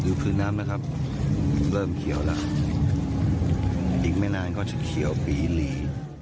คือคืนน้ำนะครับเริ่มเขียวแล้วอีกไม่นานก็จะเขียวปีหลี